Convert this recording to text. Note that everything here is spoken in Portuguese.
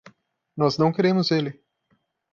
Nós não queremos ele!